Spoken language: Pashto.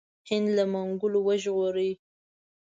هند له منګولو وژغوري.